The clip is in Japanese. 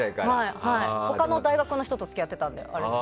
他の大学の人と付き合ってたので。